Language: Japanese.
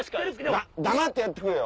黙ってやってくれよ！